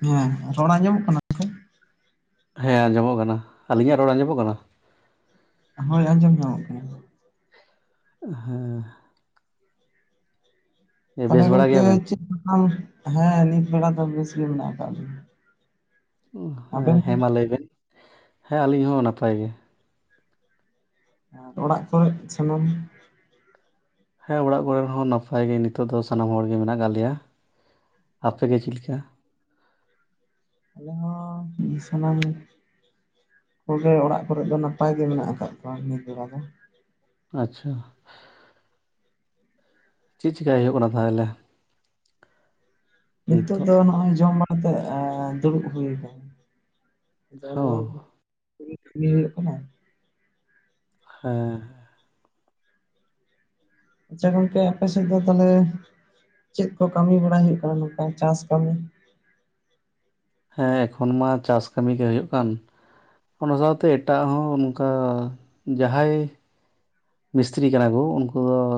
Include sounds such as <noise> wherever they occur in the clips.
ᱦᱮᱸ ᱨᱚᱲ ᱟᱸᱡᱚᱢᱚᱜ ᱠᱟᱱᱟ ᱥᱮ? ᱦᱮᱸ ᱟᱸᱡᱚᱢᱚᱜ ᱠᱟᱱᱟ ᱟᱞᱤᱧᱟᱜ ᱨᱚᱲ ᱟᱸᱡᱚᱢᱚᱜ ᱠᱟᱱᱟ ᱦᱮᱸ ᱟᱸᱡᱚᱢ ᱧᱟᱢᱚᱜ ᱠᱟᱱᱟ ᱦᱮᱸ ᱛᱟᱦᱚᱞᱮ ᱵᱮᱥ ᱵᱟᱲᱟ ᱜᱚᱝᱠᱮ ᱜᱮᱭᱟᱵᱮᱱ ᱪᱮᱫ ᱦᱮᱸ ᱱᱤᱛ ᱵᱮᱲᱟ ᱫᱚ ᱵᱮᱥ ᱜᱮ ᱢᱮᱱᱟᱜ ᱟᱠᱟᱫ ᱞᱤᱧᱟ ᱟᱵᱮᱱ ᱦᱮᱸ ᱦᱮᱸ ᱢᱟ ᱞᱟᱹᱭᱵᱮᱱ ᱦᱮᱸ ᱟᱹᱞᱤᱧ ᱦᱚᱸ ᱱᱟᱯᱟᱭ ᱜᱮ ᱟᱨ ᱚᱲᱟᱜ ᱠᱚᱨᱮ ᱥᱟᱱᱟᱢ ᱦᱮᱸ ᱚᱲᱟᱜ ᱠᱚᱨᱮᱦᱚᱸ ᱱᱟᱯᱟᱭ ᱜᱮ ᱱᱤᱛᱚᱜ ᱫᱚ ᱥᱟᱱᱟᱢ ᱦᱚᱲ ᱜᱮ ᱢᱮᱱᱟᱜ ᱠᱟᱜ ᱞᱮᱭᱟ ᱟᱯᱮ ᱜᱤ ᱪᱮᱫ ᱞᱮᱠᱟ ᱟᱞᱮ ᱦᱚᱸ ᱥᱟᱱᱟᱢ ᱠᱚᱜᱮ ᱚᱲᱟᱜ ᱠᱚᱨᱮᱜ ᱫᱚ ᱱᱟᱯᱟᱭ ᱜᱮ ᱢᱮᱱᱟᱜ ᱟᱠᱟᱜ ᱠᱚᱣᱟ ᱱᱤᱛ ᱵᱮᱲᱟ ᱫᱚ ᱟᱪᱪᱷᱟ ᱪᱤᱫ ᱪᱤᱠᱟᱹᱭ ᱦᱩᱭᱩᱜ ᱠᱟᱱᱟ ᱛᱟᱦᱚᱞᱮ ᱱᱤᱛᱳᱜ ᱱᱤᱛᱚᱜ ᱫᱚ ᱱᱚᱜᱼᱚᱭ ᱡᱚᱢ ᱵᱟᱲᱟᱛᱮ ᱮᱸ ᱫᱩᱲᱩᱵ ᱦᱩᱭ ᱠᱟᱱᱟ ᱟᱫᱚ ᱱᱚ ᱦᱚᱸ <unintelligible> ᱠᱟᱱᱟᱭ ᱦᱮᱸ ᱟᱪᱪᱷᱟ ᱜᱚᱝᱠᱮ ᱟᱯᱮ ᱥᱮᱫ ᱫᱚ ᱛᱟᱞᱦᱮ ᱪᱮᱫ ᱠᱚ ᱠᱟᱹᱢᱤ ᱵᱟᱲᱟᱭ ᱦᱩᱭᱩᱜ ᱠᱟᱱᱟ ᱱᱚᱝᱠᱟ ᱪᱟᱥ ᱠᱟᱹᱢᱤ ᱦᱮᱸ ᱮᱠᱷᱚᱱ ᱢᱟ ᱪᱟᱥ ᱠᱟᱹᱢᱤ ᱜᱮ ᱦᱩᱭᱩᱜ ᱠᱟᱱ᱾ ᱚᱱᱟ ᱥᱟᱶᱛᱮ ᱮᱴᱟᱜ ᱦᱚᱸ ᱱᱚᱝᱠᱟ ᱡᱟᱦᱟᱸᱭ ᱢᱤᱥᱛᱨᱤ ᱠᱟᱱᱟ ᱠᱚ ᱩᱱᱠᱩ ᱦᱚᱲ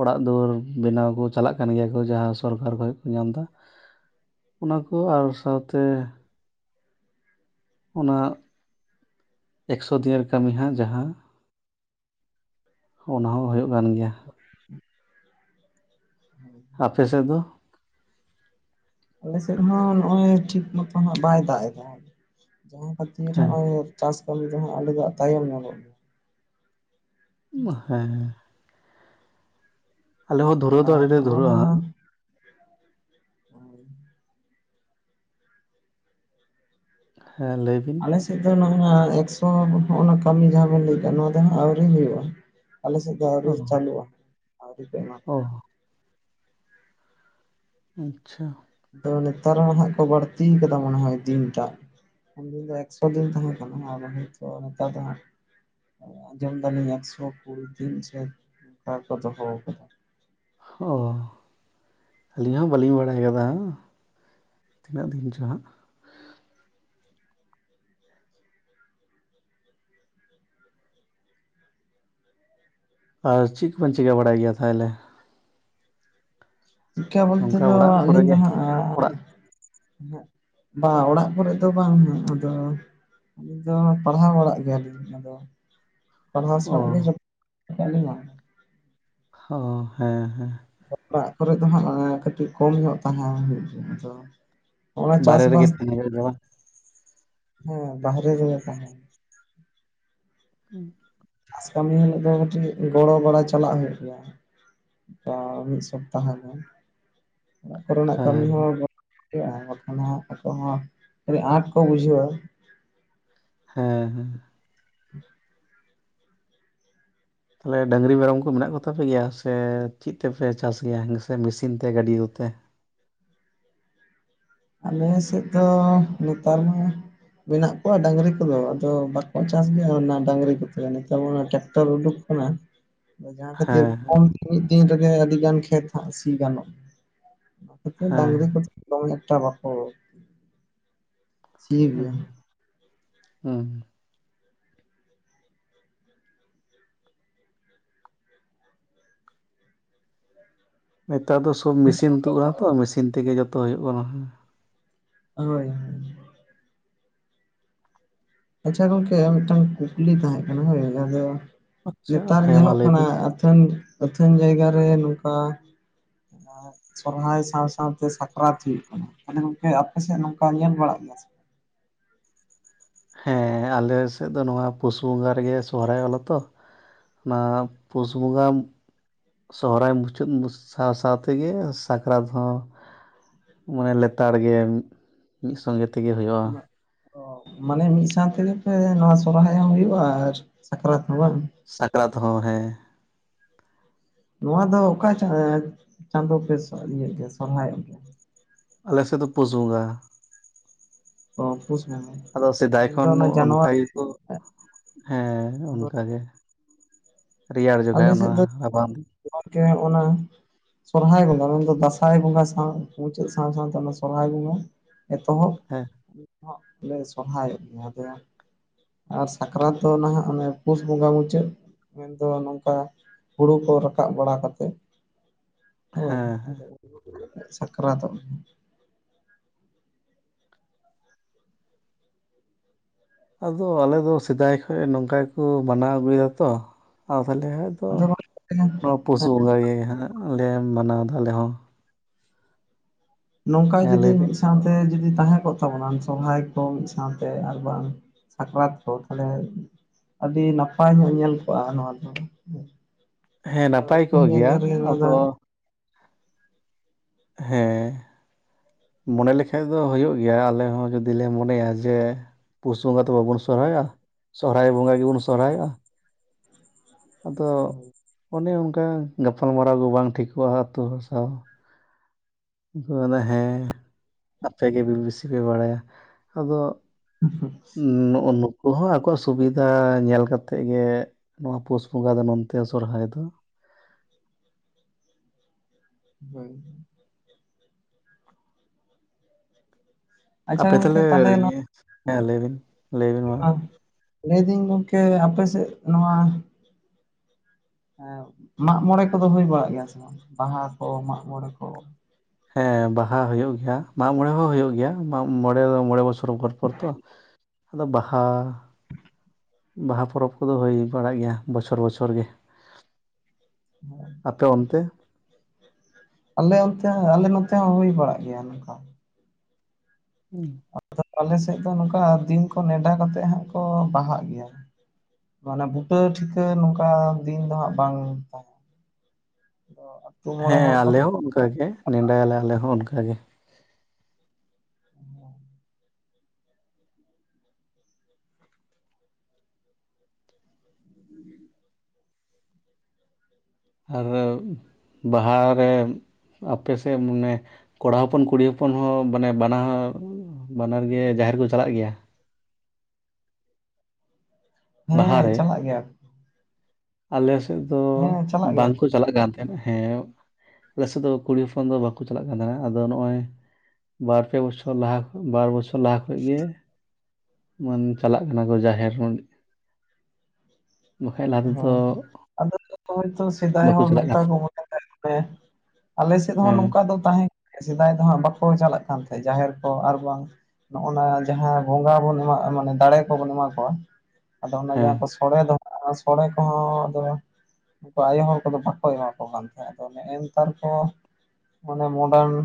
ᱚᱲᱟᱝ ᱫᱩᱣᱟᱹᱨ ᱵᱮᱱᱟᱣ ᱠᱚ ᱪᱟᱞᱟᱜ ᱠᱟᱱ ᱜᱮᱭᱟ ᱠᱚ ᱡᱟᱦᱟᱸ ᱥᱚᱨᱠᱟᱨ ᱠᱷᱚᱡ ᱠᱚ ᱧᱟᱢ ᱫᱟ ᱚᱱᱟ ᱠᱚ ᱟᱨ ᱥᱟᱶᱛᱮ ᱚᱱᱟ ᱮᱠᱥᱚ ᱫᱤᱱᱮᱨ ᱠᱟᱹᱢᱤ ᱦᱟᱸᱜ ᱡᱟᱦᱟᱸ ᱚᱱᱟ ᱦᱚᱸ ᱦᱳᱭᱳᱜ ᱠᱟᱱ ᱜᱮᱭᱟ ᱟᱯᱮ ᱥᱮᱫ ᱫᱚ ᱟᱞᱮ ᱥᱮᱫ ᱦᱚᱸ ᱱᱚᱜᱦᱚᱭ ᱴᱷᱤᱠ ᱢᱚᱛᱚ ᱦᱟᱸᱜ ᱵᱟᱭ ᱫᱟᱜ ᱮᱫᱟ ᱡᱟᱦᱟᱸ ᱠᱷᱟᱹᱛᱤᱨ ᱦᱮᱸ ᱦᱚᱸᱜᱼᱚᱭ ᱪᱟᱥ ᱠᱟᱹᱢᱤ ᱫᱚ ᱦᱟᱸᱜ ᱟᱞᱮ ᱫᱚ ᱛᱟᱭᱚᱢ ᱧᱚᱜᱚ ᱩᱢᱟ ᱦᱮᱸ <inaudible> ᱟᱞᱮ ᱦᱚᱸ ᱫᱷᱩᱨᱟᱣ ᱫᱚ ᱟᱨ ᱟᱨᱤ ᱞᱮ ᱦᱚᱸᱜᱼᱚ ᱱᱚᱣᱟ ᱫᱷᱩᱨᱟᱜᱼᱟ᱾ <inaudible> ᱦᱮᱸ ᱞᱟᱹᱭ ᱵᱤᱱ ᱟᱞᱮ ᱟᱞᱮ ᱥᱮᱫ ᱫᱚ ᱱᱚᱜ ᱱᱚᱣᱟ ᱮᱠᱥᱚ ᱦᱚᱸᱜᱱᱟ ᱠᱟᱹᱢᱤ ᱡᱟᱦᱟᱸ ᱵᱮᱱ ᱞᱟᱹᱭᱫᱟ ᱱᱚᱣᱟ ᱫᱚ ᱦᱟᱸᱜ ᱟᱹᱣᱨᱤ ᱦᱩᱭᱩᱜᱼᱟ ᱟᱞᱮ ᱥᱮᱫ ᱟᱹᱣᱨᱤ ᱪᱟᱹᱞᱩᱜᱼᱟ ᱟᱹᱣᱨᱤ ᱯᱮ ᱦᱚ ᱟᱪᱪᱷᱟ ᱟᱫᱚ ᱱᱮᱛᱟᱨ ᱦᱚᱸ ᱦᱟᱜ ᱠᱚ ᱵᱟᱹᱲᱛᱤ ᱟᱠᱟᱫᱟ ᱢᱚᱱᱮ ᱦᱚᱭ ᱫᱤᱱᱴᱟᱜ᱾ ᱩᱱ ᱫᱤᱱ ᱫᱚ ᱮᱠᱥᱚ ᱫᱤᱱ ᱛᱟᱦᱮᱸ ᱠᱟᱱᱟ ᱟᱫᱚ ᱦᱮᱪᱚ ᱦᱮᱛᱟᱨ ᱫᱚ ᱟᱸᱡᱚᱢ ᱫᱟᱞᱤᱧ ᱮᱠᱥᱚ ᱠᱩᱲᱤ ᱫᱤᱱ ᱥᱮ ᱠᱟ ᱠᱚ ᱫᱚᱦᱚ ᱟᱠᱟᱫᱟ᱾ ᱚ ᱟᱹᱞᱤᱧ ᱦᱚᱸ ᱵᱟᱹᱞᱤᱧ ᱵᱟᱲᱟᱭ ᱠᱟᱫᱟ᱾ ᱛᱤᱱᱟᱹᱜ ᱫᱤᱱ ᱪᱚ ᱦᱟᱸᱜ? ᱟᱨ ᱪᱤᱜ ᱠᱚᱵᱤᱱ ᱪᱤᱠᱟᱹ ᱵᱟᱲᱟᱭ ᱜᱮᱭᱟ ᱛᱟᱦᱚᱞᱮ ᱪᱤᱠᱟᱹ ᱵᱚᱞᱛᱮ ᱱᱚᱝᱠᱟ ᱫᱚ ᱚᱲᱟᱜ ᱠᱚᱨᱮ ᱟᱹᱞᱤᱧ ᱫᱚ ᱜᱮ ᱦᱟᱸᱜ ᱚᱲᱟᱜ ᱵᱟ ᱚᱲᱟᱜ ᱠᱚᱨᱮ ᱫᱚ ᱵᱟᱝ ᱟᱫᱚ ᱟᱹᱞᱤᱧ ᱫᱚ ᱯᱟᱲᱦᱟᱣ ᱚᱲᱟᱜ ᱜᱮᱭᱟᱞᱤᱧ ᱟᱫᱚ ᱯᱟᱲᱦᱟᱣ ᱚ ᱥᱟᱞᱟᱜ ᱜᱮ ᱡᱚᱛ ᱠᱟᱜ ᱞᱤᱧᱟᱹ ᱚ ᱦᱮᱸ ᱦᱮᱸ ᱚᱲᱟᱜ ᱠᱚᱨᱮ ᱫᱚ ᱦᱟᱸᱜ ᱠᱟᱹᱴᱤᱡ ᱠᱚᱢ ᱧᱚᱜ ᱛᱟᱦᱮᱸ ᱦᱩᱭᱩᱜ ᱜᱮᱭᱟ ᱫᱚ ᱦᱚᱜ-ᱱᱟ ᱵᱟᱦᱨᱮ ᱨᱮᱜᱮ ᱪᱟᱥᱵᱟᱥ ᱛᱟᱦᱮᱱ ᱦᱩᱭᱩᱜ ᱜᱮᱭᱟ ᱵᱟᱝ ᱦᱮᱸ ᱵᱟᱦᱨᱮ ᱨᱮ ᱛᱟᱦᱮᱸ <inaudible> ᱟᱥ ᱠᱟᱹᱢᱤ ᱦᱤᱞᱳᱜ ᱫᱚ ᱠᱟᱹᱴᱤᱡ ᱜᱚᱲᱚ ᱵᱟᱲᱟ ᱪᱟᱞᱟᱜ ᱦᱩᱭᱩᱜ ᱜᱮᱭᱟ᱾ ᱚ ᱢᱤᱫ ᱥᱚᱯᱛᱟᱦᱚ ᱜᱟᱱ ᱚᱲᱟᱜ ᱠᱚᱨᱮ ᱱᱟᱜ ᱦᱮᱸ ᱠᱟᱹᱢᱤ ᱦᱚᱸ <inaudible> ᱵᱟᱠᱷᱟᱱ ᱦᱟᱸᱜ ᱟᱠᱚ ᱦᱚᱸ ᱟᱹᱰᱤ ᱟᱸᱴ ᱠᱚ ᱵᱩᱡᱷᱟᱹᱣᱟ ᱦᱮᱸ ᱦᱮᱸ <inaudible> ᱛᱟᱞᱦᱮ ᱰᱟᱹᱝᱨᱤ ᱢᱮᱨᱚᱢ ᱠᱚ ᱢᱮᱱᱟᱜ ᱠᱚᱛᱟ ᱯᱮ ᱜᱮᱭᱟ ᱥᱮ ᱪᱮᱫ ᱛᱮᱯᱮ ᱪᱟᱥ ᱜᱮᱭᱟ ᱦᱮᱸᱥᱮ ᱢᱮᱥᱤᱱ ᱛᱮ ᱜᱟᱹᱰᱤ ᱠᱚᱛᱮ? ᱟᱞᱮ ᱥᱮᱫ ᱫᱚ ᱱᱮᱛᱟᱨ ᱢᱟ ᱢᱮᱱᱟᱜ ᱠᱚᱣᱟ ᱰᱟᱹᱝᱨᱤ ᱠᱚᱫᱚ ᱟᱫᱚ ᱵᱟᱠᱚ ᱪᱟᱥ ᱜᱮᱭᱟ ᱚᱱᱟ ᱰᱟᱹᱝᱨᱤ ᱠᱚᱛᱮ ᱱᱮᱛᱟᱨ ᱚᱱᱟ ᱴᱨᱮᱠᱴᱟᱨ ᱩᱰᱩᱠ ᱠᱟᱱᱟ ᱡᱟᱦᱟᱸ ᱠᱷᱟᱹᱛᱤᱨ ᱦᱮᱸ ᱠᱚᱢ ᱢᱤᱫ ᱫᱤᱱ ᱨᱮᱜᱮ ᱟᱹᱰᱤ ᱜᱟᱱ ᱠᱷᱮᱛ ᱦᱚᱸ ᱥᱤ ᱜᱟᱱᱚᱜ-ᱟ ᱮᱠᱷᱚᱱ ᱰᱟ. ᱦᱮᱸ ᱝᱨᱤ ᱠᱚᱛᱮ ᱠᱷᱩᱵ ᱮᱠᱴᱟ ᱵᱟᱠᱚ ᱥᱤ ᱦᱮᱸ ᱜᱮᱭᱟ ᱦᱮᱸ ᱱᱮᱛᱟᱨ ᱫᱚ ᱥᱳᱵ ᱟᱪᱪᱷᱟ ᱢᱮᱥᱤᱱ ᱛᱩᱫ ᱜᱚᱝᱠᱮ ᱮᱱᱟ ᱛᱚ ᱢᱮᱥᱤᱱ ᱛᱮᱜᱮ ᱡᱚᱛᱚ ᱦᱩᱭᱩᱜ ᱠᱟᱱᱟ ᱦᱳᱭ ᱟᱪᱪᱷᱟ ᱜᱚᱝᱠᱮ ᱢᱤᱫᱴᱟᱝ ᱠᱩᱠᱞᱤ ᱛᱟᱦᱮᱸᱜ ᱠᱟᱱᱟ ᱦᱳᱭ ᱟᱫᱚ ᱟᱪᱪᱷᱟ ᱱᱮᱛᱟᱨ ᱦᱮᱸ ᱢᱟ ᱧᱮᱞᱚᱜ ᱞᱟᱹᱭ ᱠᱟᱱᱟ ᱵᱤᱱ ᱟᱹᱛᱷᱟᱹᱱ ᱟᱹᱛᱷᱟᱹᱱ ᱡᱟᱭᱜᱟ ᱨᱮ ᱱᱚᱝᱠᱟ ᱦᱮᱸ ᱥᱚᱨᱦᱟᱭ ᱥᱟᱶ ᱥᱟᱶᱛᱮ ᱥᱟᱠᱨᱟᱛ ᱦᱩᱭᱩᱜ ᱠᱟᱱᱟ ᱛᱟᱦᱚᱞᱮ ᱜᱚᱝᱠᱮ ᱟᱯᱮ ᱥᱮᱫ ᱱᱚᱝᱠᱟ ᱧᱮᱞ ᱵᱟᱲᱟᱜ ᱜᱮᱭᱟ ᱥᱮ ᱦᱮᱸ ᱟᱞᱮ ᱥᱮᱫ ᱫᱚ ᱱᱚᱣᱟ ᱯᱩᱥ ᱵᱚᱸᱜᱟ ᱨᱮᱜᱮ ᱥᱚᱦᱨᱟᱭᱚᱜᱼᱟ ᱞᱮᱛᱚ ᱱᱟ ᱯᱩᱥ ᱵᱚᱸᱜᱟ ᱥᱚᱦᱚᱨᱟᱭ ᱢᱩᱪᱟᱹᱫ <inaudible> ᱥᱟᱶ ᱥᱟᱶ ᱛᱮᱜᱮ ᱥᱟᱠᱨᱟᱛ ᱦᱚᱸ ᱢᱟᱱᱮ ᱞᱮᱛᱟᱲ ᱜᱮ ᱢᱤᱫ ᱥᱚᱝᱜᱮ ᱛᱮᱜᱮ ᱦᱩᱭᱩᱜᱼᱟ᱾ ᱵᱟᱝ? ᱢᱟᱱᱮ ᱢᱤᱫ ᱥᱟᱶ ᱛᱮᱜᱮ ᱱᱚᱣᱟ ᱥᱚᱨᱦᱟᱭ ᱦᱚᱸ ᱦᱩᱭᱩᱜᱼᱟ ᱟᱨ ᱥᱟᱠᱨᱟᱛ ᱦᱚᱸ ᱵᱟᱝ ᱥᱟᱠᱨᱟᱛ ᱦᱚᱸ ᱦᱮᱸ ᱱᱚᱣᱟ ᱫᱚ ᱚᱠᱟ ᱮ ᱪᱟᱸᱫᱳ ᱯᱮ ᱤᱭᱮ ᱜᱮᱭᱟ ᱥᱚᱨᱦᱟᱭᱚᱜ ᱜᱮᱭᱟ ᱟᱞᱮᱥᱮᱫ ᱫᱚ ᱯᱩᱥ ᱵᱚᱸᱜᱟ ᱚ ᱯᱩᱥ ᱵᱚᱸᱜᱟ ᱟᱫᱚ ᱥᱮᱫᱟᱭ ᱢᱮᱱᱫᱚ ᱠᱷᱚᱱ ᱚᱱᱟ ᱚᱱᱠᱟ ᱡᱟᱱᱩᱣᱟᱨᱤ ᱜᱮᱠᱚ ᱦᱮᱸ ᱚᱱᱠᱟᱜᱮ ᱨᱮᱭᱟᱲ ᱡᱚᱠᱷᱟᱡ ᱚᱱᱟ ᱨᱟᱵᱟᱝ ᱫᱤᱱ ᱜᱚᱝᱠᱮ ᱚᱱᱟ ᱥᱚᱨᱦᱟᱭ ᱵᱚᱸᱜᱟ ᱢᱮᱱᱫᱚ ᱫᱟᱸᱥᱟᱭ ᱵᱚᱸᱜᱟ ᱥᱟᱶ ᱢᱩᱪᱟᱹᱫ ᱥᱟᱶ ᱥᱟᱶᱛᱮ ᱚᱱᱟ ᱥᱚᱨᱦᱟᱭ ᱵᱚᱸᱜᱟ ᱮᱛᱚᱦᱚᱵ ᱦᱮᱸ ᱦᱚᱜ ᱞᱮ ᱥᱚᱨᱦᱟᱭᱚᱜ ᱜᱮᱭᱟ ᱟᱫᱚ ᱟᱨ ᱥᱟᱠᱨᱟᱛ ᱫᱚ ᱱᱟᱦᱟᱜ ᱚᱱᱮ ᱯᱩᱥ ᱵᱚᱸᱜᱟ ᱢᱩᱪᱟᱹᱫ ᱢᱮᱱᱫᱚ ᱱᱚᱝ ᱦᱮᱸ ᱦᱩᱲᱩ ᱠᱚ ᱨᱟᱠᱟᱵ ᱵᱟᱲᱟ ᱠᱟᱛᱮᱜ ᱦᱮᱸ ᱟᱫᱚ ᱥᱟᱠᱨᱟᱛᱚᱝ ᱜᱮᱭᱟ ᱟᱫᱚ ᱟᱞᱮᱫᱚ ᱥᱮᱫᱟᱭ ᱠᱷᱚᱡ ᱱᱚᱝᱠᱟ ᱜᱮᱠᱚ ᱢᱟᱱᱟᱣ ᱟᱹᱜᱩᱭᱮᱫᱟ ᱛᱚ ᱟᱫᱚ ᱛᱟᱦᱚᱞᱮ ᱟᱫᱚ ᱱᱚᱣᱟ ᱯᱚᱥᱩ ᱵᱚᱸᱜᱟ ᱜᱮ ᱦᱟᱜ ᱞᱮ ᱢᱟᱱᱟᱣ ᱮᱫᱟ ᱟᱞᱮ ᱦᱚᱸ ᱱᱚᱝᱠᱟ ᱦᱮᱸ ᱡᱩᱫᱤ ᱞᱟᱹᱭ ᱵᱤᱱ ᱢᱤᱫ ᱥᱟᱶᱛᱮ ᱡᱩᱫᱤ ᱛᱟᱦᱮᱸ ᱠᱚᱜ ᱛᱟᱵᱚᱱᱟ ᱥᱚᱨᱦᱟᱭ ᱠᱚ ᱢᱤᱫ ᱥᱟᱶᱛᱮ ᱟᱨ ᱵᱟᱝ ᱥᱟᱠᱨᱟᱛ ᱠᱚ ᱛᱟᱦᱞᱮ ᱟᱹᱰᱤ ᱱᱟᱯᱟᱭ ᱧᱚᱜ ᱧᱮᱞ ᱠᱚᱜᱼᱟ ᱱᱚᱣᱟ ᱫᱚ ᱦᱮᱸ ᱟᱫᱚ ᱱᱟᱯᱟᱭ ᱩᱛᱛᱚᱢ ᱠᱚᱜ ᱜᱮᱭᱟ ᱡᱟᱭᱜᱟ ᱨᱮᱜᱮ ᱱᱚᱣᱟ ᱫᱚ ᱟᱫᱚ ᱦᱮᱸ ᱢᱚᱱᱮ ᱞᱮᱠᱷᱟᱡ ᱫᱚ ᱦᱩᱭᱩᱜ ᱜᱮᱭᱟ ᱟᱞᱮ ᱦᱚᱸ ᱡᱩᱫᱤ ᱞᱮ ᱢᱚᱱᱮᱭᱟ ᱡᱮ ᱯᱩᱥ ᱵᱚᱸᱜᱟ ᱫᱚ ᱵᱟᱵᱩᱱ ᱥᱚᱨᱦᱟᱭᱚᱜᱼᱟ ᱥᱚᱦᱨᱟᱭ ᱵᱚᱸᱜᱟ ᱜᱮᱵᱚᱱ ᱥᱚᱨᱦᱟᱭᱚᱜᱼᱟ ᱟᱫᱚ ᱦᱳᱭ ᱚᱱᱮ ᱚᱱᱠᱟ ᱜᱟᱯᱟᱞᱢᱟᱨᱟᱣ ᱜᱮ ᱵᱟᱝ ᱴᱷᱤᱠᱚᱜᱼᱟ ᱟᱹᱛᱩ ᱦᱚᱲ ᱥᱟᱶ ᱩᱱᱠᱩ ᱠᱚ ᱢᱮᱱ ᱮᱫᱟ ᱦᱮᱸ ᱟᱯᱮ ᱜᱮ ᱵᱮᱥᱤ ᱯᱮ ᱵᱟᱲᱟᱭᱟ ᱟᱫᱚ <unintelligible> ᱱᱩᱜ ᱱᱩᱠᱩ ᱦᱚᱸ ᱟᱠᱚᱣᱟᱜ ᱥᱩᱠᱷ ᱥᱩᱵᱤᱫᱷᱟ ᱧᱮᱞ ᱠᱟᱛᱮᱫ ᱜᱮ ᱱᱚᱣᱟ ᱯᱩᱥ ᱵᱚᱸᱜᱟ ᱫᱚ ᱱᱚᱱᱛᱮ ᱥᱚᱨᱦᱟᱭ ᱫᱚ <unintelligible> ᱟᱪᱪᱷᱟ ᱟᱯᱮ ᱜᱚᱝᱠᱮ ᱛᱟᱦᱚᱞᱮ ᱤᱭᱟᱹ ᱦᱮᱸ ᱞᱟᱹᱭ ᱵᱤᱱ ᱞᱟᱹᱭ ᱵᱤᱱ ᱢᱟ ᱞᱟᱹᱭ ᱫᱟᱹᱧ ᱜᱚᱢᱠᱮ ᱟᱯᱮ ᱥᱮᱫ ᱱᱚᱣᱟ ᱦᱮᱸ ᱢᱟᱜᱽᱢᱚᱬᱮ ᱠᱚᱫᱚ ᱦᱩᱭ ᱵᱟᱲᱟᱜ ᱜᱮᱭᱟ ᱥᱮ ᱵᱟᱝ ᱵᱟᱦᱟ ᱠᱚ ᱢᱟᱜᱽᱢᱚᱬᱮ ᱠᱚ ᱦᱮᱸ ᱵᱟᱦᱟ ᱦᱩᱭᱩᱜ ᱜᱮᱭᱟ ᱢᱟᱜᱽᱢᱚᱬᱮ ᱦᱚᱸ ᱦᱩᱭᱩᱜ ᱜᱮᱭᱟ ᱢᱟᱜ ᱢᱚᱬᱮ ᱢᱚᱬᱮ ᱵᱚᱪᱷᱚᱨ ᱨᱚᱜᱚᱲ ᱯᱚᱲ ᱛᱚ ᱟᱫᱚ ᱵᱟᱦᱟ ᱵᱟᱦᱟ ᱯᱚᱨᱚᱵᱽ ᱠᱚᱫᱚ ᱦᱩᱭ ᱵᱟᱲᱟᱜ ᱜᱮᱭᱟ ᱵᱚᱪᱷᱚᱨ ᱵᱚᱪᱷᱚᱨ ᱜᱮ <unintelligible> ᱟᱯᱮ ᱚᱱᱛᱮ ᱟᱞᱮ ᱚᱱᱛᱮ ᱟᱞᱮ ᱱᱚᱛᱮ ᱦᱚᱸ ᱦᱩᱭ ᱵᱟᱲᱟᱜ ᱜᱮᱭᱟ ᱱᱚᱝᱠᱟ ᱦᱩᱸ ᱟᱫᱚ ᱟᱞᱮ ᱥᱮᱫ ᱫᱚ ᱱᱚᱝᱠᱟ ᱫᱤᱱ ᱠᱚ ᱱᱮᱰᱟ ᱠᱟᱛᱮᱜ ᱦᱟᱸᱜ ᱠᱚ ᱵᱟᱦᱟᱜ ᱜᱮᱭᱟ ᱢᱟᱱᱮ ᱵᱩᱴᱟᱹ ᱴᱷᱤᱠᱟᱹ ᱱᱚᱝᱠᱟ ᱫᱤᱱ ᱫᱚ ᱦᱟᱸᱜ ᱵᱟᱝ ᱛᱟᱦᱮᱸᱱ ᱾ ᱚ ᱦᱮᱸ ᱟᱞᱮ ᱦᱚᱸ ᱚᱱᱠᱟ ᱜᱮ ᱱᱮᱸᱰᱟᱭᱟᱞᱮ ᱟᱞᱮ ᱦᱚᱸ ᱚᱱᱠᱟᱜᱮ <inaudible> <inaudible> ᱟᱨᱚ ᱵᱟᱦᱟᱨᱮ ᱟᱯᱮ ᱥᱮᱜ ᱢᱟᱱᱮ ᱠᱚᱲᱟ ᱦᱚᱯᱚᱱ ᱠᱩᱲᱤ ᱦᱚᱯᱚᱱ ᱦᱚᱸ ᱵᱟᱱᱮ ᱵᱟᱱᱟᱦᱚᱨ ᱵᱟᱱᱟᱨ ᱜᱮ ᱡᱟᱦᱮᱨ ᱠᱚ ᱪᱟᱞᱟᱜ ᱜᱮᱭᱟ ᱾ ᱵᱟᱦᱟ ᱦᱮᱸ ᱨᱮ ᱪᱟᱞᱟᱜ ᱜᱮᱭᱟ ᱟᱞᱮ ᱥᱮᱫ ᱫᱚ ᱦᱮᱸ ᱪᱟᱞᱟᱜ ᱜᱮᱭᱟ ᱵᱟᱝᱠᱚ ᱠᱚ ᱪᱟᱞᱟᱜ ᱠᱟᱱ ᱛᱟᱦᱮᱱᱟ ᱦᱮᱸ ᱟᱞᱮ ᱥᱮᱫ ᱫᱚ ᱠᱩᱲᱤ ᱦᱚᱯᱚᱱ ᱫᱚ ᱵᱟᱠᱚ ᱪᱟᱞᱟᱜ ᱠᱟᱱ ᱛᱟᱦᱮᱱᱟ ᱟᱫᱚ ᱱᱚᱜᱼᱚᱭ ᱵᱟᱨᱯᱮ ᱵᱚᱪᱷᱚ ᱵᱚᱪᱷᱚᱨ ᱞᱟᱦᱟ ᱠᱷ ᱵᱟᱨ ᱵᱚᱪᱷᱚᱨ ᱞᱟᱦᱟ ᱠᱷᱚᱡ ᱜᱮ ᱢᱟᱱ ᱪᱟᱞᱟᱜ ᱠᱟᱱᱟ ᱠᱚ ᱡᱟᱦᱮᱨ ᱵᱟᱠᱷᱟᱡ ᱞᱟᱦᱟ ᱛᱮᱫᱚ ᱦᱚᱸ ᱟᱫᱚ <unintelligible> ᱥᱮᱫᱟᱭ ᱵᱟᱠᱚ ᱦᱚᱸ ᱪᱟᱞᱟᱜ ᱠᱟᱱ ᱱᱚᱝᱠᱟ ᱛᱟᱦᱮᱸᱫ᱾ ᱠᱚ ᱢᱚᱱᱮᱭᱮᱜ ᱛᱟᱦᱮᱜ ᱟᱞᱮ ᱥᱮᱫ ᱦᱚᱸ ᱦᱮᱸ ᱱᱚᱝᱠᱟ ᱫᱚ ᱛᱟᱦᱮᱸ ᱠᱟᱱᱟ ᱥᱮᱫᱟᱭ ᱫᱚ ᱦᱟᱸᱜ ᱵᱟᱠᱚ ᱪᱟᱞᱟᱜ ᱠᱟᱱ ᱛᱟᱦᱮᱸᱡ ᱡᱟᱦᱮᱨ ᱠᱚ ᱟᱨ ᱵᱟᱝ ᱱᱚᱜ ᱱᱟ ᱡᱟᱦᱟᱸ ᱵᱚᱸᱜᱟ ᱵᱚᱱ ᱮᱢᱟᱜ ᱢᱟᱱᱮ ᱫᱟᱲᱮ ᱠᱚᱵᱚᱱ ᱮᱢᱟ ᱠᱚᱣᱟ ᱟᱫᱚ ᱚᱱᱟ ᱦᱮᱸ ᱡᱟᱦᱟᱸ ᱠᱚ ᱥᱚᱲᱮ ᱫᱚ ᱥᱚᱲᱮ ᱠᱚᱦᱚᱸ ᱟᱫᱚ ᱩᱱᱠᱩ ᱟᱭᱳ ᱦᱚᱲ ᱠᱚᱫᱚ ᱵᱟᱠᱚ ᱮᱢᱟ ᱠᱚ ᱠᱟᱱ ᱛᱟᱦᱮᱸᱫ ᱟᱫᱚ ᱱᱮᱜᱼᱱᱮᱛᱟᱨ ᱠᱚ ᱢᱟᱱᱮ ᱢᱚᱰᱟᱨᱱᱤ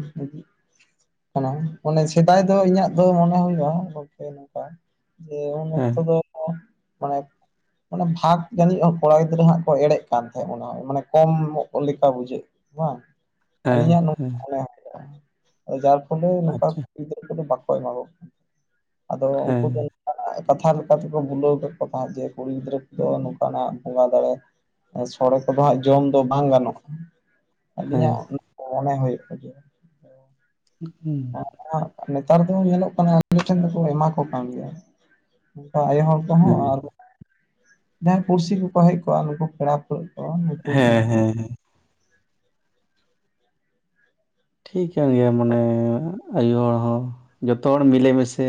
ᱠᱟᱱᱟ ᱢᱟᱱᱮ ᱥᱮᱫᱟᱭ ᱫᱚ ᱤᱧᱟᱹᱜ ᱫᱚ ᱢᱚᱱᱮ ᱦᱩᱭᱩᱜᱼᱟ ᱜᱚᱝᱠᱮ ᱱᱚᱝᱠᱟ ᱡᱮ ᱦᱮᱸ ᱩᱱᱚᱠᱛᱚ ᱫᱚ ᱢᱟᱱᱮ ᱢᱟᱱᱮ ᱵᱷᱟᱜ ᱡᱟᱹᱱᱤᱡ ᱠᱚᱲᱟ ᱜᱤᱫᱽᱨᱟᱹ ᱦᱟᱸᱜ ᱠᱚ ᱮᱲᱮᱜ ᱠᱟᱱ ᱛᱟᱦᱮᱸᱫ ᱢᱚᱱᱮ ᱦᱳᱭ ᱢᱟᱱᱮ ᱠᱚᱢᱚᱜ ᱞᱮᱠᱟ ᱵᱩᱡᱷᱟᱹᱜ ᱵᱟᱝ ᱦᱮᱸ ᱟᱹᱞᱤᱧᱟᱜ ᱱᱚᱝ ᱦᱮᱸ ᱚᱱᱮ ᱡᱟᱨ ᱯᱷᱚᱞᱮ ᱱᱚᱠᱟ ᱟᱪᱪᱷᱟ ᱠᱚ ᱜᱤᱫᱽᱨᱟᱹ ᱠᱚᱫᱚ ᱵᱟᱠᱚ ᱮᱢᱟ ᱠᱚ ᱠᱟᱱᱟ ᱟᱫᱚ ᱩᱝᱠᱩ ᱦᱮᱸ ᱫᱚ ᱠᱟᱛᱷᱟ ᱞᱮᱠᱟ ᱞᱮᱠᱟᱛᱮᱠᱚ ᱵᱩᱞᱟᱹᱣ ᱠᱮᱫ ᱠᱚ ᱛᱟᱦᱮᱸᱡ ᱡᱮ ᱠᱩᱲᱤ ᱜᱤᱫᱽᱨᱟᱹ ᱠᱚᱫᱚ ᱵᱚᱸᱜᱟ ᱫᱟᱲᱮ ᱥᱚᱲᱮ ᱠᱚᱫᱚ ᱦᱟᱸᱜ ᱡᱚᱢ ᱫᱚ ᱵᱟᱝ ᱜᱟᱱᱚᱜᱼᱟ ᱦᱮᱸ ᱟᱹᱞᱤᱧᱟᱜ ᱢᱚᱱᱮ ᱦᱳᱭᱳᱜᱼᱟ ᱡᱮ ᱦᱩᱸ ᱟᱨᱚ ᱦᱟᱸᱜ ᱱᱮᱛᱟᱨ ᱫᱚ ᱧᱮᱞᱚᱜ ᱠᱟᱱᱟ ᱟᱞᱮ ᱴᱷᱮᱱ ᱫᱚᱠᱚ ᱮᱢᱟ ᱠᱚ ᱠᱟᱱ ᱜᱮᱭᱟ ᱟᱭᱳ ᱦᱚᱲ ᱠᱚᱦᱚᱸ ᱦᱮᱸ ᱦᱮᱸ ᱟᱨ ᱡᱟᱦᱟᱸᱭ ᱯᱩᱲᱥᱤ ᱠᱚᱠᱚ ᱦᱮᱡ ᱠᱚᱜᱼᱟ ᱱᱩᱠᱩ ᱯᱮᱲᱟ ᱯᱟᱹᱲᱦᱟᱹᱜ ᱠᱚ ᱱᱩᱠᱩ ᱦᱮᱸ ᱠᱚ ᱦᱮᱸ ᱦᱮᱸ ᱴᱷᱤᱠ ᱠᱟᱱ ᱜᱮᱭᱟ ᱢᱚᱱᱮ ᱟᱭᱩ ᱦᱚᱲ ᱦᱚᱸ ᱡᱚᱛᱚ ᱦᱚᱲ ᱢᱤᱞᱮᱢᱤᱥᱮ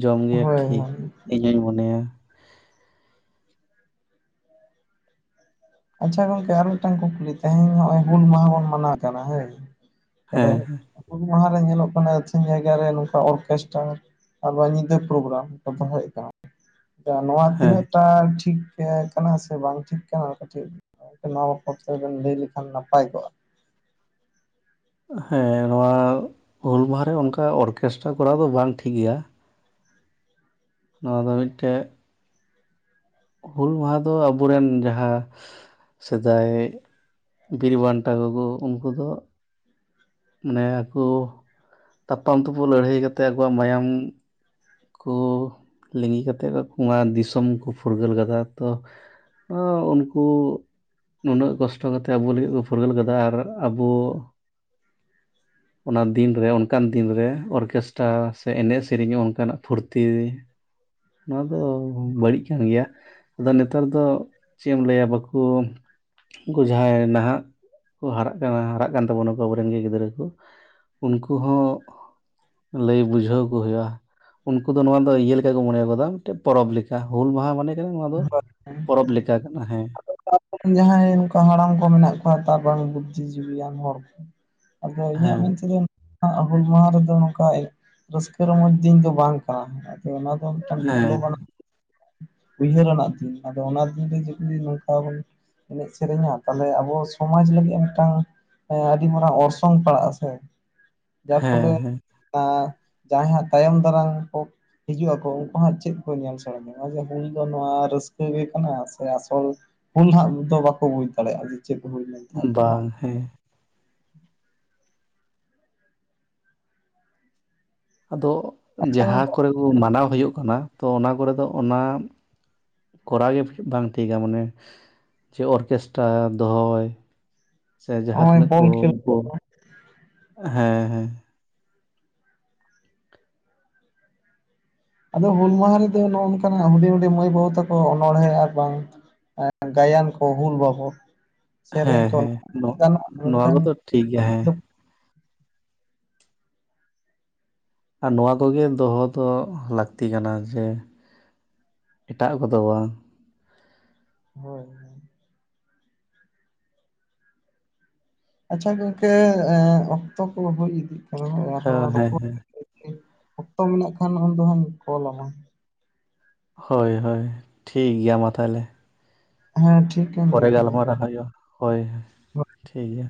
ᱡᱚᱢᱜᱮ ᱦᱳᱭ ᱴᱷᱤᱠ ᱦᱳᱭ ᱤᱧ ᱦᱩᱧ ᱢᱚᱱᱮᱭᱟ ᱟᱪᱪᱷᱟ ᱜᱚᱝᱠᱮ ᱟᱨ ᱢᱤᱫᱴᱟᱝ ᱠᱩᱠᱞᱤ ᱛᱮᱦᱤᱧ ᱧᱚᱜᱼᱚᱭ ᱦᱩᱞ ᱢᱟᱦᱟ ᱵᱚᱱ ᱢᱟᱱᱟᱣ ᱠᱟᱱᱟ ᱦᱮᱸ ᱛᱟᱦᱞᱮ ᱦᱮᱸ ᱦᱩᱞ ᱢᱟᱦᱟᱨᱮ ᱧᱮᱞᱚᱜ ᱠᱟᱱᱟ ᱟᱹᱪᱷᱤᱢ ᱡᱟᱭᱜᱟᱨᱮ ᱱᱚᱝᱠᱟ ᱚᱨᱠᱮᱥᱴᱟᱨ ᱟᱵᱟᱨ ᱧᱤᱫᱟᱹ ᱯᱨᱳᱜᱨᱟᱢ ᱠᱚ ᱫᱚᱦᱚᱭᱮᱜ ᱠᱟᱱᱟ ᱱᱚᱣᱟ ᱦᱮᱸ ᱛᱤᱱᱟᱹᱜ ᱴᱟ ᱴᱷᱤᱠ ᱠᱟᱱᱟ ᱥᱮ ᱵᱟᱝ ᱴᱷᱤᱠ ᱠᱟᱱᱟ? ᱠᱟᱹᱴᱤᱡ <unintelligible> ᱛᱮ ᱵᱮᱱ ᱞᱟᱹᱭ ᱞᱮᱠᱷᱟᱱ ᱱᱟᱯᱟᱭ ᱠᱚᱜᱼᱟ ᱦᱮᱸ ᱱᱚᱣᱟ ᱦᱩᱞ ᱢᱟᱦᱟ ᱨᱮ ᱚᱱᱠᱟ ᱚᱨᱠᱮᱥᱴᱨᱟ ᱠᱚᱨᱟᱣ ᱫᱚ ᱵᱟᱝ ᱴᱷᱤᱠᱜᱮᱭᱟ ᱱᱚᱣᱟ ᱫᱚ ᱢᱤᱫᱴᱮᱜ ᱦᱩᱞ ᱢᱟᱦᱟ ᱫᱚ ᱟᱵᱚᱨᱮᱱ ᱡᱟᱦᱟᱸ ᱥᱮᱫᱟᱭ ᱵᱤᱨ ᱵᱟᱱᱴᱟ ᱠᱚᱠᱚ ᱩᱱᱠᱩ ᱫᱚ ᱢᱟᱱᱮ ᱟᱠᱚ ᱛᱟᱯᱟᱢ ᱛᱩᱯᱩ ᱞᱟᱹᱲᱦᱟᱹᱭ ᱠᱟᱛᱮᱜ ᱟᱠᱚᱣᱟᱜ ᱢᱟᱭᱟᱢ ᱠᱚ ᱞᱤᱸᱜᱤ ᱠᱟᱛᱮᱫ ᱠᱩᱸᱣᱟ ᱫᱤᱥᱚᱢ ᱠᱚ ᱯᱷᱩᱨᱜᱟᱹᱞ ᱠᱟᱫᱟ ᱛᱚ ᱚᱸ ᱩᱱᱠᱩ ᱱᱩᱱᱟᱹᱜ ᱠᱚᱥᱴᱚ ᱠᱟᱛᱮᱜ ᱟᱵᱚ ᱞᱟᱹᱜᱤᱫ ᱠᱚ ᱯᱷᱩᱨᱜᱟᱹᱞ ᱠᱟᱫᱟ ᱟᱨ ᱟᱵᱚ ᱚᱱᱟ ᱫᱤᱱ ᱨᱮ ᱚᱱᱠᱟᱱ ᱫᱤᱱ ᱨᱮ ᱚᱨᱠᱮᱥᱴᱨᱟ ᱥᱮ ᱮᱱᱮᱜ ᱥᱮᱨᱮᱧ ᱦᱚᱸ ᱚᱱᱠᱟᱱᱟᱜ ᱯᱷᱩᱨᱛᱤ ᱱᱚᱣᱟ ᱫᱚ ᱵᱟᱹᱲᱤᱡ ᱠᱟᱱ ᱜᱮᱭᱟ ᱟᱫᱚ ᱱᱮᱛᱟᱨ ᱫᱚ ᱪᱮᱫ ᱮᱢ ᱞᱟᱹᱭᱟ ᱵᱟᱠᱚ ᱩᱱᱠᱩ ᱡᱟᱦᱟᱸᱭ ᱱᱟᱦᱟᱜ ᱠᱚ ᱦᱟᱨᱟᱜ ᱠᱟᱱᱟ ᱦᱟᱨᱟᱜ ᱠᱟᱱ ᱛᱟᱵᱚᱱᱟᱠᱚ ᱟᱵᱚᱨ ᱨᱮᱱ ᱜᱮ ᱜᱤᱫᱽᱨᱟᱹ ᱠᱚ ᱩᱱᱠᱩ ᱦᱚᱸ ᱞᱟᱹᱭ ᱵᱩᱡᱷᱟᱹᱣᱠᱩ ᱦᱩᱭᱩᱜᱼᱟ ᱩᱱᱠᱩ ᱫᱚ ᱱᱚᱣᱟ ᱫᱚ ᱤᱭᱟᱹ ᱞᱮᱠᱟ ᱠᱚ ᱢᱚᱱᱮᱭ ᱠᱟᱫᱟ ᱢᱤᱫᱴᱮᱱ ᱯᱚᱨᱚᱵᱽ ᱞᱮᱠᱟ ᱦᱩᱞ ᱢᱟᱦᱟ ᱢᱟᱱᱮ ᱠᱟᱱᱟ ᱱᱚᱣᱟ ᱫᱚ ᱦᱳᱭ ᱯᱚᱨᱚᱵᱽ ᱞᱮᱠᱟ ᱦᱮᱸ ᱡᱟᱦᱟᱸᱭ ᱚᱱᱠᱟ ᱦᱟᱲᱟᱢ ᱠᱚ ᱢᱮᱱᱟᱜ ᱠᱚᱣᱟ ᱛᱟᱨᱵᱟᱝ ᱵᱩᱫᱽᱫᱷᱤ ᱡᱤᱵᱤᱭᱟᱱ ᱦᱚᱲ ᱠᱚ ᱟᱫᱚ ᱤᱧᱟᱹᱜ ᱦᱮᱸ ᱢᱮᱱᱛᱮᱫᱚ ᱟᱜ ᱦᱩᱞ ᱢᱟᱦᱟ ᱨᱮᱫᱚ ᱱᱚᱝᱠᱟ ᱨᱟᱹᱥᱠᱟᱹ ᱨᱚᱢᱚᱡᱽ ᱫᱤᱱ ᱫᱚ ᱵᱟᱝ ᱠᱟᱱᱟ ᱚᱱᱟ ᱫᱚ ᱢᱤᱫᱴᱟᱱ ᱦᱮᱸ ᱰᱤᱵᱷᱞᱚᱵᱟᱱ ᱩᱭᱦᱟᱹᱨᱟᱱᱟᱜ ᱫᱤᱱ ᱟᱫᱚ ᱚᱱᱟ ᱫᱤᱱ ᱨᱮ ᱡᱩᱫᱤ ᱱᱚᱝ ᱵᱚᱱ ᱮᱱᱮᱡ ᱥᱮᱨᱮᱧᱟ ᱛᱟᱦᱞᱮ ᱟᱵᱚ ᱥᱚᱢᱟᱡ ᱞᱟᱹᱜᱤᱫ ᱢᱤᱫᱴᱟᱝ ᱟᱹᱰᱤ ᱢᱟᱨᱟᱝ ᱚᱨᱥᱚᱝ ᱯᱟᱲᱟᱜ ᱟᱥᱮ ᱡᱟᱨ ᱦᱮᱸ ᱯᱷᱚᱞᱮ ᱦᱮᱸ ᱡᱟᱦᱟᱸᱭ ᱦᱟᱜ ᱛᱟᱭᱚᱢ ᱫᱟᱨᱟᱢ ᱠᱚ ᱦᱤᱡᱩᱜ ᱟᱠᱚ ᱩᱱᱠᱩ ᱦᱟᱸᱜ ᱪᱮᱫ ᱠᱚ ᱧᱮᱞ ᱥᱮᱲᱟᱭᱟ ᱡᱮ ᱦᱩᱞ ᱫᱚ ᱱᱚᱣᱟ ᱨᱟᱹᱥᱠᱟᱹ ᱜᱮ ᱠᱟᱱᱟ ᱥᱮ ᱟᱥᱚᱞ ᱩᱱ ᱦᱟᱸᱜ ᱫᱚ ᱵᱟᱠᱚ ᱵᱩᱡᱽ ᱫᱟᱲᱮᱭᱟᱜᱼᱟ ᱪᱮᱫ ᱦᱩᱭᱱᱟ ᱵᱟᱝ ᱦᱮᱸ ᱟᱫᱚ ᱟᱪᱪᱷᱟ ᱡᱟᱦᱟᱸ ᱜᱚᱝᱠᱮ ᱠᱚᱨᱮ ᱠᱚ ᱢᱟᱱᱟᱣ ᱦᱩᱭᱩᱜ ᱠᱟᱱᱟ ᱛᱚ ᱚᱱᱟ ᱠᱚᱨᱮ ᱫᱚ ᱚᱱᱟ ᱠᱚᱨᱟᱣ ᱜᱮ ᱵᱟᱝ ᱴᱷᱤᱠᱟ ᱢᱟᱱᱮ ᱪᱮ ᱚᱨᱠᱮᱥᱴᱨᱟ ᱫᱚᱦᱚᱭ ᱥᱮ ᱡᱟᱦᱟᱸ ᱱᱚᱜᱼᱚᱭ ᱛᱤᱱᱟᱹᱜ ᱠᱚ ᱵᱚᱞ ᱠᱷᱮᱞ ᱩᱱᱠᱩ ᱦᱮᱸ ᱦᱮᱸ ᱟᱫᱚ ᱦᱩᱞ ᱢᱟᱦᱟ ᱨᱮᱫᱚ ᱱᱚᱜ ᱱᱚᱝᱠᱟᱱᱟᱜ ᱦᱩᱰᱤᱧ ᱦᱩᱰᱤᱧ ᱢᱟᱹᱭ ᱵᱟᱹᱵᱩ ᱛᱟᱠᱚ ᱚᱱᱚᱬᱦᱮᱸ ᱟᱨ ᱵᱟᱝ ᱜᱟᱭᱟᱱ ᱠᱚ ᱦᱩᱞ ᱵᱟᱵᱚᱫ ᱥᱮᱨᱮᱧ ᱦᱮᱸ ᱠᱚ ᱦᱮᱸ ᱱᱚ ᱜᱟᱱᱚᱜᱼᱟ ᱱᱚᱣᱟ ᱢᱮᱱᱠᱷᱟᱱ ᱠᱚᱫᱚ ᱴᱷᱤᱠ ᱜᱮᱭᱟ ᱦᱮᱸ ᱟᱨ ᱱᱚᱣᱟ ᱠᱚᱜᱮ ᱫᱚᱦᱚ ᱫᱚ ᱞᱟᱠᱛᱤ ᱠᱟᱱᱟ ᱡᱮ ᱮᱴᱟᱜ ᱠᱚᱫᱚ ᱵᱟᱝ ᱦᱳᱭ ᱦᱳᱭ ᱟᱪᱪᱷᱟ ᱜᱚᱝᱠᱮ ᱚᱠᱛᱚ ᱠᱚ ᱦᱩᱭ ᱤᱫᱤᱜ ᱠᱟᱱᱟ ᱟᱨᱦᱚᱸ ᱦᱮᱸ ᱦᱮᱸ ᱨᱚᱯᱚᱲ ᱦᱮᱸ ᱚᱠᱛᱚ ᱢᱮᱱᱟᱜ ᱠᱷᱟᱱ ᱩᱱ ᱫᱚ ᱦᱟᱜᱸᱤᱧ ᱠᱚᱞᱟᱢᱟ ᱦᱳᱭ ᱦᱳᱭ ᱴᱷᱤᱠ ᱜᱮᱭᱟ ᱢᱟ ᱛᱟᱦᱮᱞᱮ ᱦᱮᱸ ᱴᱷᱤᱠᱟ ᱯᱚᱨᱮ ᱜᱟᱞᱢᱟᱨᱟᱜ ᱦᱩᱭᱩᱜᱼᱟ ᱦᱳᱭ ᱴᱷᱤᱠ ᱜᱮᱭᱟ